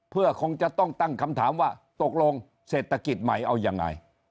เพื่อคงจะต้องตั้งคำถามว่าตกลงเศรษฐกิจใหม่เอายังไง